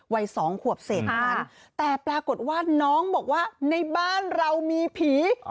วัยสองขวบเศษเท่านั้นแต่ปรากฏว่าน้องบอกว่าในบ้านเรามีผี